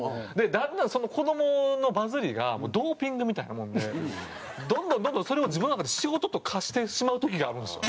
だんだん子供のバズりがもうドーピングみたいなもんでどんどんどんどんそれを自分の中で仕事と化してしまう時があるんですよ。